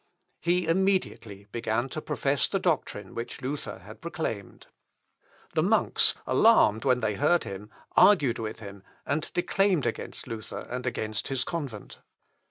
He immediately began to profess the doctrine which Luther had proclaimed. The monks, alarmed when they heard him, argued with him, and declaimed against Luther and against his convent.